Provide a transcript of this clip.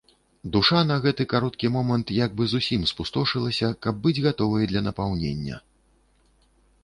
Душа на гэты кароткі момант як бы зусім спустошылася, каб быць гатовай для напаўнення.